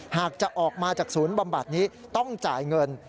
หากจะออกมาจากศูนย์บำบัดนี้ต้องจ่ายเงิน